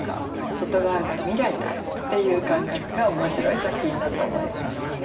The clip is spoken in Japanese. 外側が未来だっていう感覚が面白い作品だと思います。